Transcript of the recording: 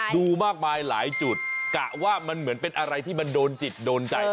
ดูมากมายหลายจุดกะว่ามันเหมือนเป็นอะไรที่มันโดนจิตโดนใจ